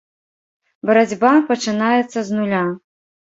Барацьба пачынаецца з нуля.